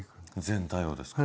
全体をですか。